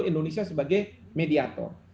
indonesia sebagai mediator